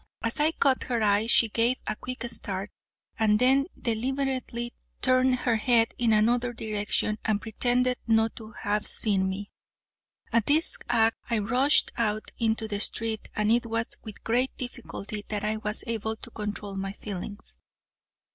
As I caught her eye she gave a quick start, and then deliberately turned her head in another direction, and pretended not to have seen me. At this act I rushed out into the street, and it was with great difficulty that I was able to control my feelings.